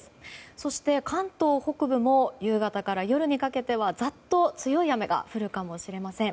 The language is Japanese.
そして関東北部も夕方から夜にかけてはざっと強い雨が降るかもしれません。